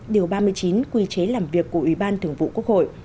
điều ba mươi chín quy chế làm việc của ủy ban thường vụ quốc hội